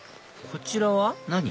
こちらは何？